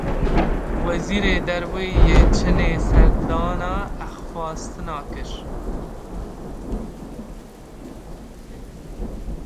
Wezîrê Derve yê Çînê serdana Efxanistanê kir.